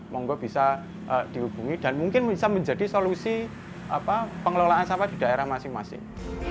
monggo bisa dihubungi dan mungkin bisa menjadi solusi pengelolaan sampah di daerah masing masing